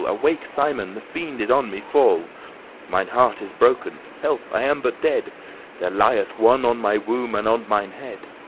Awake, Simon, the fiend is on me fall; Mine heart is broken; help; I am but dead: There li'th one on my womb and on mine head.